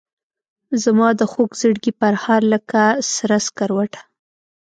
زمادخوږزړګي پرهاره لکه سره سکروټه